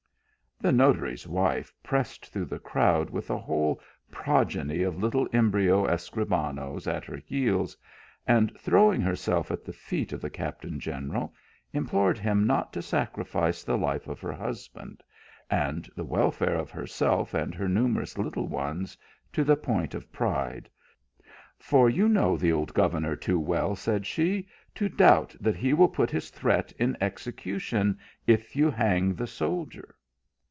The notary s wife pressed through the crowd with a whole progeny of little embryo Escribanoes at her heels, and throwing herself ,v: the feet of the captain general, implored him not to sacrifice the life of her husband, and the welfare of herself and her numer ous little ones to a point of pride ;" for you know the old governor too well," said she, " to doubt that he will put his threat in execution if you hang the soldier."